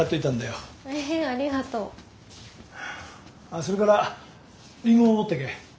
あっそれからリンゴも持ってけ。